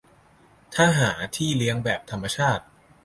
ถ้าหาที่เลี้ยงแบบธรรมชาติ